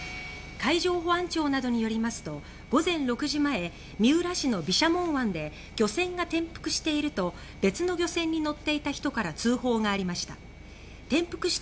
海上保安庁などによりますと午前６時前、三浦市の毘沙門湾で漁船が転覆していると別の漁船に乗っていた人から通報がありました。